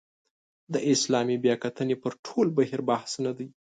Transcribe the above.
د اسلامي بیاکتنې پر ټول بهیر بحث نه دی.